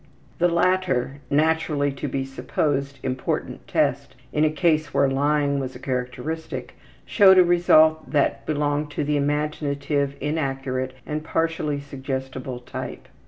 The latter, naturally to be supposed important test in a case where lying was a characteristic, showed a result that belonged to the imaginative, inaccurate, and partially suggestible type.